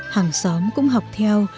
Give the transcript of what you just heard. hàng xóm cũng học theo